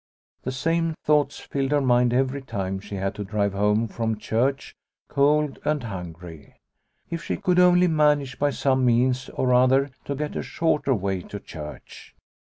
The same thoughts filled her mind every time she had to drive home from church cold and hungry. If she could only manage by some means or other to get a shorter way to church.